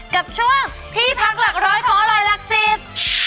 กับช่วงที่พักหลักร้อยของอร่อยหลักสิบ